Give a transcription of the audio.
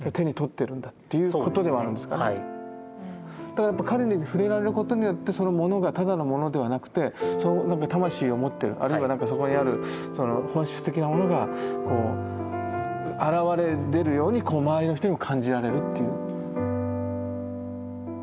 だからやっぱ彼に触れられることによってそのモノがただのモノではなくてなんか魂を持ってるあるいはなんかそこにある本質的なものがこう現れ出るように周りの人にも感じられるっていう。